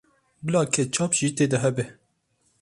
Bila ketçap jî tê de hebe.